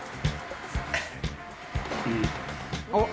「あっ！」